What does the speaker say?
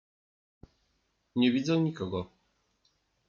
Nie widzę nikogo.